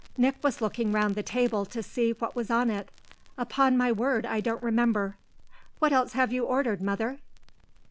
Nick was looking round the table to see what was on it. "Upon my word I don't remember. What else have you ordered, mother?"